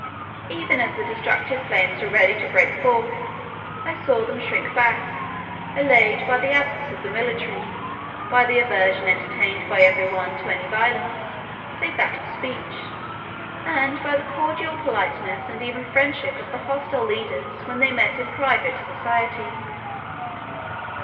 Even as the destructive flames were ready to break forth, I saw them shrink back; allayed by the absence of the military, by the aversion entertained by every one to any violence, save that of speech, and by the cordial politeness and even friendship of the hostile leaders when they met in private society.